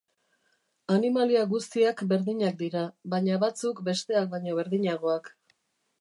Animalia guztiak berdinak dira, baina batzuk besteak baino berdinagoak.